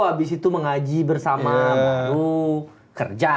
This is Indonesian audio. habis itu mengaji bersama guru kerja